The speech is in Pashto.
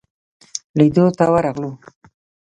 لیدلو ته ورغلو.